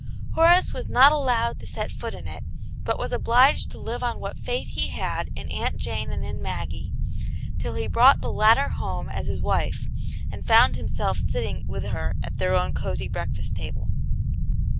Horace was not allowed to set foot in it, but was obliged to live on what faith he had in Aunt Jane and in Maggie, till he brought the latter home as his wife, and found himself sitting with her at their own cosy breakfast table.